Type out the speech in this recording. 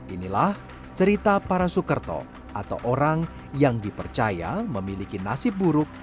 inilah cerita para sukerto atau orang yang dipercaya memiliki nasib buruk